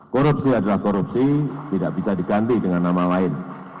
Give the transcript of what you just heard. korupsi adalah korupsi tidak bisa diganti dengan nama lain